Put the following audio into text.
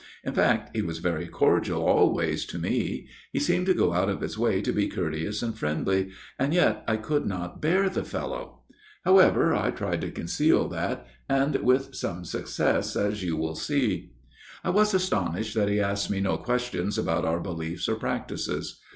In fact he was very cordial always to me ; he seemed to go out of his way to be courteous and friendly, THE FATHER RECTOR'S STORY 73 and yet I could not bear the fellow. However, I tried to conceal that, and with some success, as you will see. " I was astonished that he asked me no questions about our beliefs or practices.